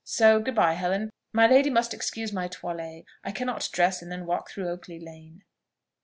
So good b'ye, Helen: my lady must excuse my toilet; I cannot dress and then walk through Oakley lane."